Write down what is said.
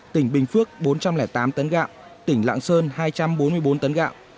tỉnh bình phước bốn trăm linh tám tấn gạo tỉnh lạng sơn hai trăm bốn mươi bốn tấn gạo